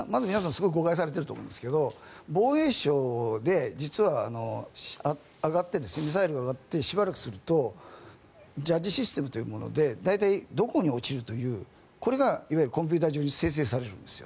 すごく誤解されていると思いますが防衛省で実はミサイルが上がってしばらくするとＪＡＤＧＥシステムというもので大体どこに落ちるというこれがいわゆるコンピューター上に生成されるんです。